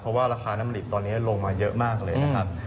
เพราะว่าราคาน้ำดิบตอนนี้ลงมาเยอะมากเลยนะครับ